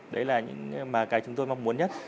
đấy là những cái chúng tôi mong muốn nhất